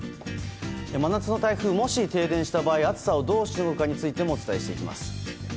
真夏の台風、もし停電した場合暑さをどうしのぐかについてもお伝えしていきます。